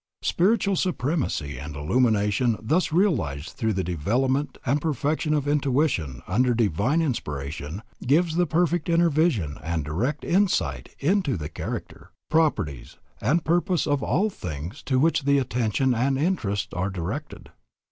Spiritual supremacy and illumination thus realized through the development and perfection of intuition under divine inspiration, gives the perfect inner vision and direct insight into the character, properties, and purpose of all things to which the attention and interest are directed.